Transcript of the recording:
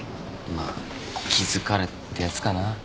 まあ気疲れってやつかな。